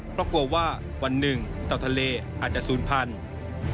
เพราะกลัวว่าวันหนึ่งเตาทะเลอาจจะศูนย์พันธุ์